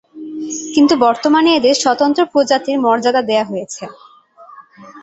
কিন্তু বর্তমানে এদের স্বতন্ত্র প্রজাতির মর্যাদা দেয়া হয়েছে।